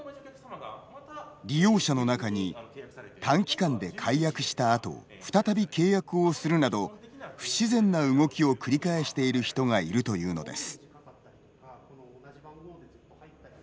利用者の中に短期間で解約したあと再び契約をするなど不自然な動きを繰り返している人がいるというのです。